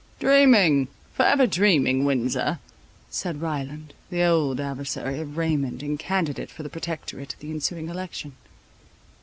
"Dreaming, for ever dreaming, Windsor!" said Ryland, the old adversary of Raymond, and candidate for the Protectorate at the ensuing election.